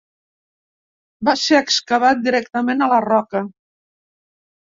Va ser excavat directament a la roca.